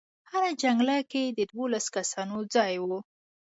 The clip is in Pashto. هره جنګله کې د دولسو کسانو ځای و.